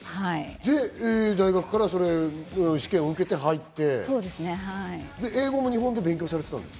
大学から試験を受けて入って、英語も日本で勉強されてたんですか？